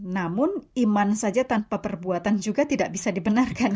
namun iman saja tanpa perbuatan juga tidak bisa dibenarkan